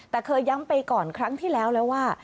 แต่เคยย้ำไปก่อนครั้งที่แล้วแล้วว่า